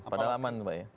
padahal aman pak ya